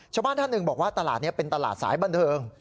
ชาวบ้านท่านหนึ่งบอกว่าตลาดนี้เป็นตลาดสายบันเทิง